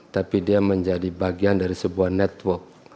tapi dia menjadi bagian dari sebuah network